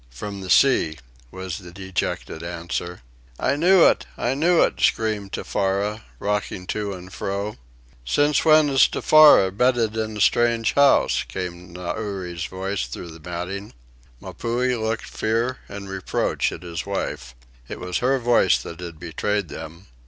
"From the sea," was the dejected answer. "I knew it! I knew it!" screamed Tefara, rocking to and fro. "Since when has Tefara bedded in a strange house?" came Nauri's voice through the matting. Mapuhi looked fear and reproach at his wife. It was her voice that had betrayed them.